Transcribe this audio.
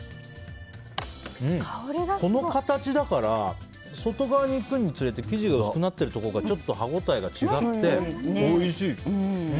この形だから外側に行くにつれて生地が薄くなってるところがちょっと歯応えが違っておいしい。